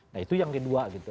nah itu yang kedua gitu